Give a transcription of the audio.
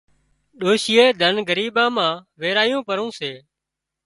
ڏوشيئي ڌنَ ڳريٻان مان ويرايون پرون سي